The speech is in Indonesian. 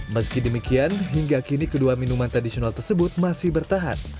meski demikian hingga kini kedua minuman tradisional tersebut masih bertahan